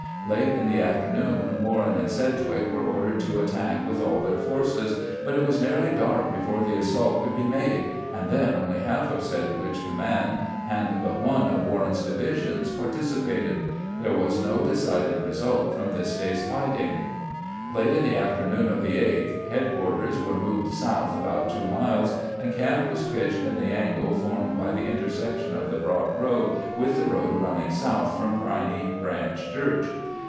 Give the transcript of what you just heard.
Late in the afternoon Warren and Sedgwick were ordered to attack with all their forces, but it was nearly dark before the assault could be made, and then only half of Sedgwick's com mand and but one of Warren's divisions participated. There was no decided result from this day's fighting. Late in the afternoon of the 8th headquarters were moved south about two miles, and camp was pitched in the angle formed by the intersection of the Brock road with the road running south from Piney Branch Church.